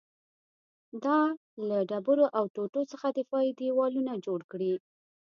دا له ډبرو او ټوټو څخه دفاعي دېوالونه جوړ کړي